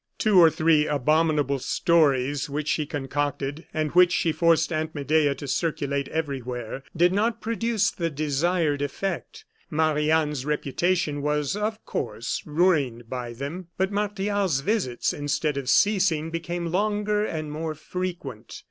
Two or three abominable stories which she concocted, and which she forced Aunt Medea to circulate everywhere, did not produce the desired effect. Marie Anne's reputation was, of course, ruined by them; but Martial's visits, instead of ceasing, became longer and more frequent.